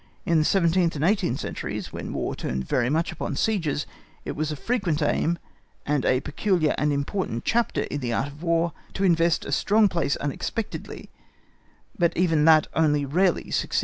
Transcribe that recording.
In the seventeenth and eighteenth centuries, when War turned very much upon sieges, it was a frequent aim, and quite a peculiar and important chapter in the Art of War, to invest a strong place unexpectedly, but even that only rarely succeeded.